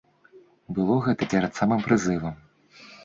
Было гэта перад самым прызывам.